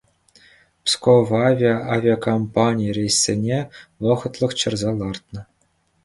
«Псковавиа» авиакомпани рейссене вӑхӑтлӑх чарса лартнӑ.